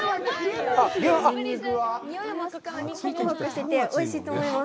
ほくほくしてて、おいしいと思います。